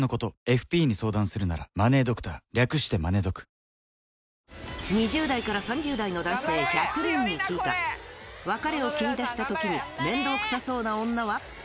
果たして１位になってしまう２０代から３０代の男性１００人に聞いた、別れを切り出したときに面倒くさそうな女は？